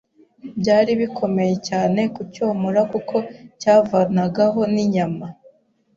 byari bikomeye cyane kucyomora kuko cyavanagaho n’inyama